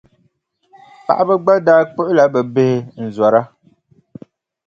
Paɣiba gba daa kpuɣila bɛ bihi n-zɔra.